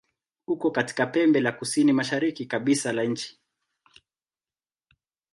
Uko katika pembe la kusini-mashariki kabisa la nchi.